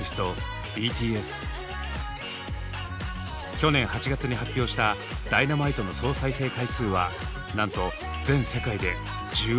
去年８月に発表した「Ｄｙｎａｍｉｔｅ」の総再生回数はなんと全世界で１０億超え！